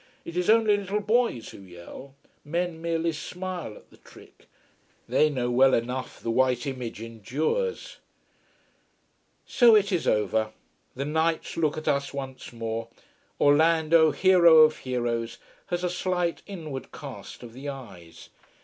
It is only little boys who yell. Men merely smile at the trick. They know well enough the white image endures. So it is over. The knights look at us once more. Orlando, hero of heroes, has a slight inward cast of the eyes.